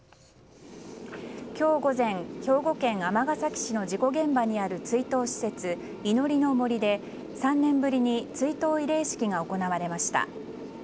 今日午前兵庫県尼崎市の事故現場にある追悼施設、祈りの杜で３年ぶりに追悼慰霊式が行われました。